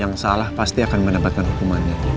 yang salah pasti akan mendapatkan hukumannya